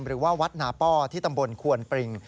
หรือว่าวัดนาป้อที่ตำบลควนปริง